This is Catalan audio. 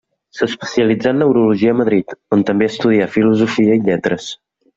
S'especialitzà en neurologia a Madrid, on també estudià filosofia i lletres.